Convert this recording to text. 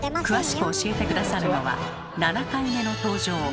詳しく教えて下さるのは７回目の登場